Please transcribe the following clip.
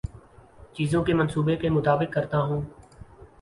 چیزوں کے منصوبے کے مطابق کرتا ہوں